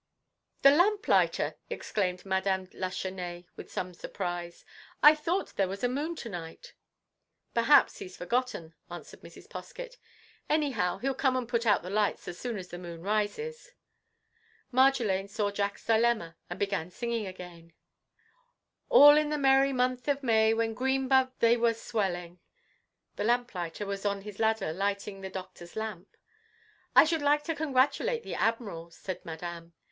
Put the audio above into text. "The lamplighter!" exclaimed Madame Lachesnais, with some surprise. "I thought there was a moon to night." "Perhaps he's forgotten," answered Mrs. Poskett. "Anyhow, he 'll come and put out the lights as soon as the moon rises." Marjolaine saw Jack's dilemma and began singing again:— "All in the merry month of May When green buds they were swellin'!" The lamplighter was on his ladder lighting the Doctor's lamp. "I should like to congratulate the Admiral," said Madame.